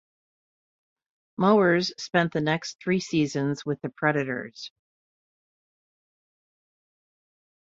Mowers spent the next three seasons with the Predators.